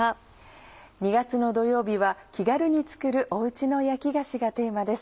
２月の土曜日は「気軽に作るおうちの焼き菓子」がテーマです。